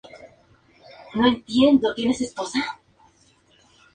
Bloqueó muchas incursiones extranjeras en el todavía llamado "Puente de los Franceses".